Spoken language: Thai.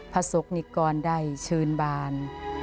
พระศุกร์นิกรได้ชื่นบาน